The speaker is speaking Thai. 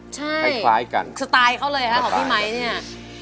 ใช่สไตล์เขาเลยครับของพี่ไมค์เนี่ย